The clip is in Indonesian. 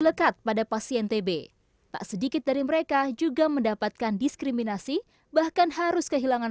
lekat pada pasien tb tak sedikit dari mereka juga mendapatkan diskriminasi bahkan harus kehilangan